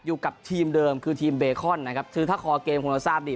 อยู่กับทีมเดิมคือทีมเบคอนนะครับคือถ้าคอเกมคงจะทราบดี